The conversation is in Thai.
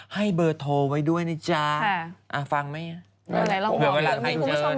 ให้เบอร์โทรไว้ด้วยนะจ้าฟังมั้ยนะ